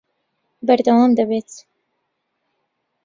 بەردەوام دەبێت